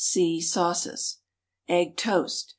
(See SAUCES.) EGG TOAST.